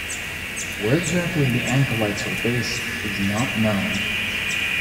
Where exactly the Ancalites were based is not known.